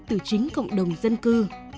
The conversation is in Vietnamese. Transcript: từ chính cộng đồng dân cư